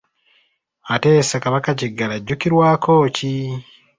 Ate ye Ssekabaka Kiggala ajjukirwako ki ?